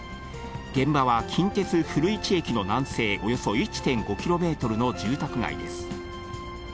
現場は近鉄古市駅の南西およそ１．５キロメートルの住宅街です。